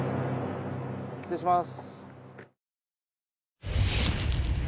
失礼します。